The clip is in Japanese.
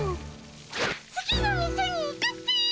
次の店に行くっピ。